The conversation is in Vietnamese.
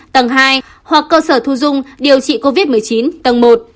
tầng hai hoặc cơ sở thu dung điều trị covid một mươi chín tầng một